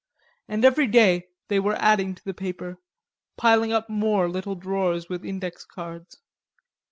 And every day they were adding to the paper, piling up more little drawers with index cards.